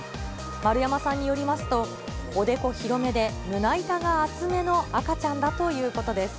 丸山さんによりますと、おでこ広めで胸板が厚めの赤ちゃんだということです。